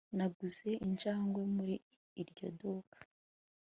naguze injangwe muri iryo duka